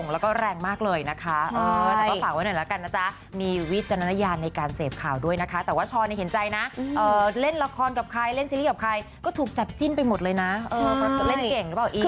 แล้วก็สติในการเสพข่าวอะไรอย่างนี้